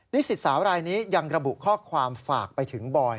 สิทธิ์สาวรายนี้ยังระบุข้อความฝากไปถึงบอย